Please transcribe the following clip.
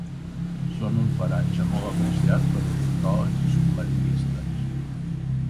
Són un paratge molt apreciat per ornitòlegs i submarinistes.